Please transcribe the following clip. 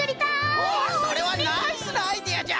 おおそれはナイスなアイデアじゃ。